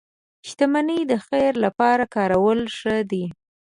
• شتمني د خیر لپاره کارول ښه دي.